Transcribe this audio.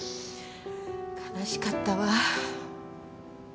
悲しかったわ。